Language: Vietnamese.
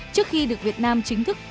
trước khi được việt nam chính thức